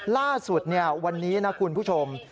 ล่าสุดวันนี้นะคุณผู้ชม